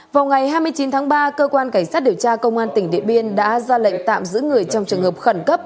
vào ngày hai mươi chín tháng ba cơ quan cảnh sát điều tra công an tỉnh điện biên đã ra lệnh tạm giữ người trong trường hợp khẩn cấp